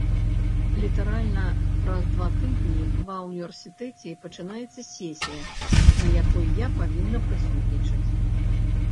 Літаральна праз два тыдні ва ўніверсітэце пачынаецца сесія, на якой я павінна прысутнічаць.